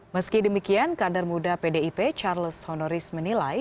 meski demikian kader muda pdip charles honoris menilai